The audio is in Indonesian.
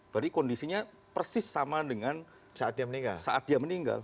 berarti kondisinya persis sama dengan saat dia meninggal